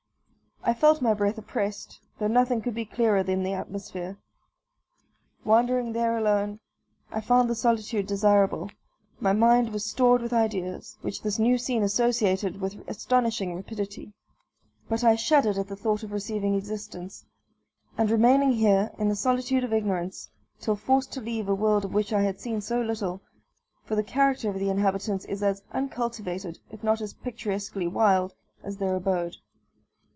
I felt my breath oppressed, though nothing could be clearer than the atmosphere. Wandering there alone, I found the solitude desirable; my mind was stored with ideas, which this new scene associated with astonishing rapidity. But I shuddered at the thought of receiving existence, and remaining here, in the solitude of ignorance, till forced to leave a world of which I had seen so little, for the character of the inhabitants is as uncultivated, if not as picturesquely wild, as their abode.